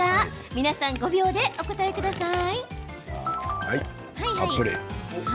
皆さん、５秒でお答えください。